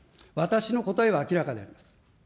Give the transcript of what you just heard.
私の答えは明らかであります。